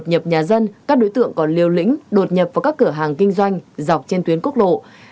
điển hình các đối tượng còn liều lĩnh đột nhập vào các cửa hàng kinh doanh dọc trên tuyến quốc lộ